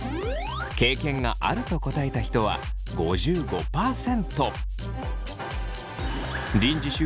経験があると答えた人は５５％。